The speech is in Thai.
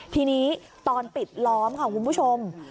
ทีนี้ตอนปิดล้อมค่ะคุณผู้ชม